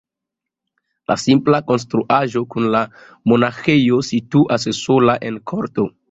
La simpla konstruaĵo kun la monaĥejo situas sola en korto.